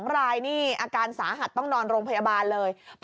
๒รายนี่อาการสาหัสต้องนอนโรงพยาบาลเลย